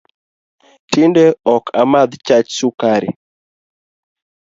Tinde ok amadh chach sukari